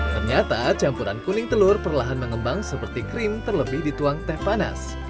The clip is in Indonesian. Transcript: ternyata campuran kuning telur perlahan mengembang seperti krim terlebih dituang teh panas